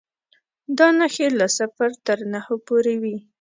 دا نښې له صفر تر نهو پورې وې.